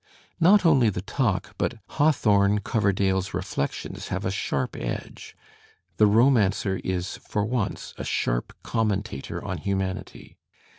Not only the talk, but Hawthome Coverdale's reflections have a sharp edge; the romancer is for once a sharp commentator on humanity.